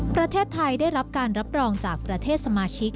ประเทศไทยได้รับการรับรองจากประเทศสมาชิก